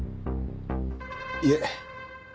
いえ。